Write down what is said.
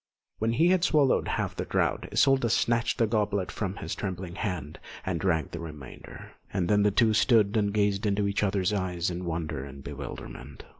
When he had swallowed half the draught, Isolda snatched the goblet from his trembling hand and drank the remainder; and then the two stood and gazed into each other's eyes in wonder and bewilderment.